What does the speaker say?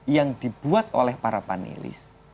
yang dibuat oleh para panelis